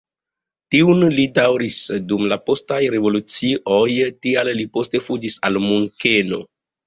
Tiun li daŭris dum la postaj revolucioj, tial li poste fuĝis al Munkeno.